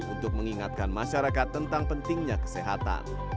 untuk mengingatkan masyarakat tentang pentingnya kesehatan